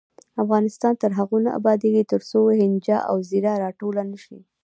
افغانستان تر هغو نه ابادیږي، ترڅو هینجه او زیره راټوله نشي.